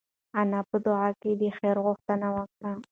انا په دعا کې د خیر غوښتنه وکړه.